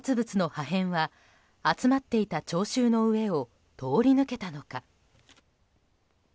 これら爆発物の破片は集まっていた聴衆の上を通り抜けたのか。